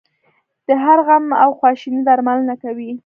د هر غم او خواشینۍ درملنه کوي.